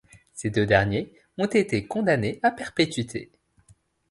Ces deux derniers ont été condamnés à perpétuité.